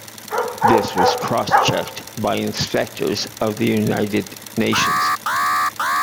This was cross-checked by inspectors of the United Nations.